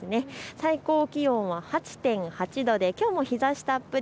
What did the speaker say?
最高気温は８．８度できょうも日ざしたっぷり。